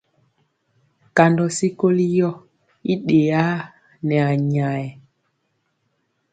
Kandɔ sikoli yɔ i ɗeyaa nɛ anyayɛ.